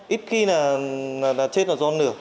ít khi là chết là do nửa